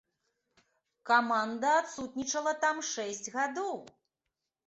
Каманда адсутнічала там шэсць гадоў.